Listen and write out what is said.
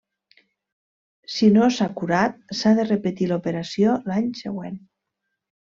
Si no s'ha curat, s'ha de repetir l'operació l'any següent.